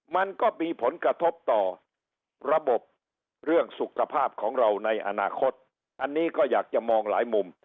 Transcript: มันก็มีผลกระทบต่อระบบเรื่องสุขภาพของเราในอนาคตอันนี้ก็อยากจะมองหลายมุม